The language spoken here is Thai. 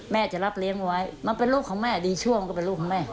จะรับเลี้ยงไว้มันเป็นลูกของแม่ดีช่วงก็เป็นลูกของแม่